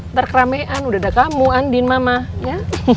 ntar keramean udah ada kamu andin mama ya